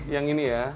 yang ini ya